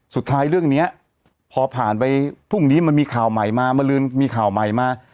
เรื่องนี้พอผ่านไปพรุ่งนี้มันมีข่าวใหม่มามาลืนมีข่าวใหม่มา